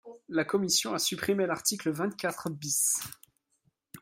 La commission a supprimé l’article vingt-quatre bis.